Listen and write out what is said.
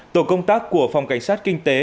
tổ công tác của phòng cảnh sát kinh tế